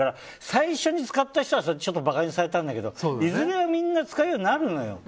最初に使った人は馬鹿にされたんだけどいずれはみんな使うようになるのよ。